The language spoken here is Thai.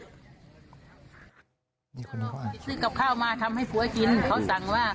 เมื่อก่อนพ่อซื้อกับข้าวมาทำให้ปั๊วกิน